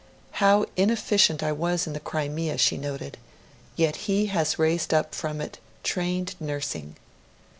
'How inefficient I was in the Crimea,' she noted. 'Yet He has raised up from it trained nursing.'